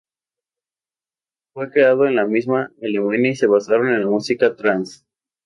Fue creado en la misma Alemania y se basaban en la música trance.